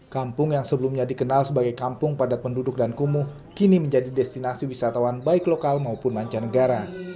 kampung yang sebelumnya dikenal sebagai kampung padat penduduk dan kumuh kini menjadi destinasi wisatawan baik lokal maupun mancanegara